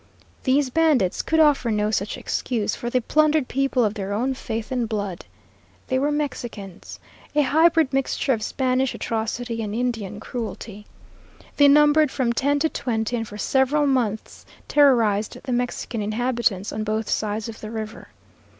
These bandits could offer no such excuse, for they plundered people of their own faith and blood. They were Mexicans, a hybrid mixture of Spanish atrocity and Indian cruelty. They numbered from ten to twenty, and for several months terrorized the Mexican inhabitants on both sides of the river.